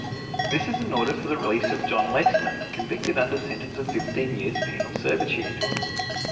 "This is an order for the release of John Lexman, convicted under sentence of fifteen years penal servitude."